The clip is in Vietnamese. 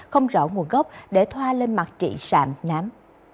không rõ nguồn gốc để thoa lên mặt trị sạm nám